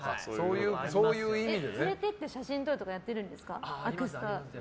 連れてって写真撮るとかあるんですか？